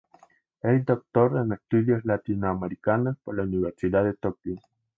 Es Doctor en Estudios Latinoamericanos por la Universidad de Tokio.